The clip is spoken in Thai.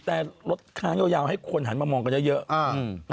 แต่รถค้างยาวให้คนหันมามองกันเยอะ